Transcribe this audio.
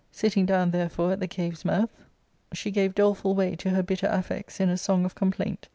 Sitting down, therefore, at the cave's mouth, she ARCADIA.—Book III. 389 gave doleful way to her bitter affects* in a song of complaint.